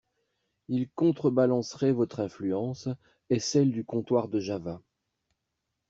Il contrebalancerait votre influence et celle du comptoir de Java.